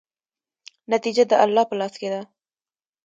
نتیجه د الله په لاس کې ده.